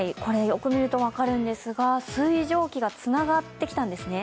よく見ると分かるんですが、水蒸気がつながってきたんですね。